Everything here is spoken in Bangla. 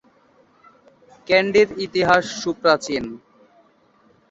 ক্যান্ডির ইতিহাস সুপ্রাচীন।